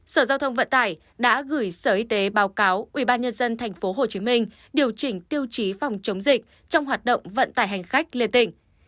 sở giao thông vận tải đã gửi sở y tế báo cáo ubnd tp hcm điều chỉnh tiêu chí phòng chống dịch trong hoạt động vận tải hành khách liên tỉnh